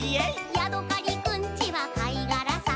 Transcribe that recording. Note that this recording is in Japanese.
「ヤドカリくんちはかいがらさ」